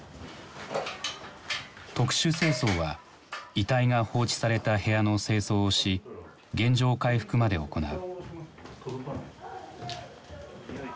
特殊清掃は遺体が放置された部屋の清掃をし原状回復まで行う。